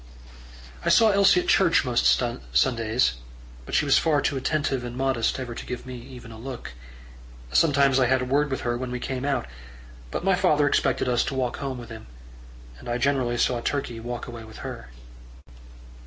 I saw Elsie at church most Sundays; but she was far too attentive and modest ever to give me even a look. Sometimes I had a word with her when we came out, but my father expected us to walk home with him; and I generally saw Turkey walk away with her.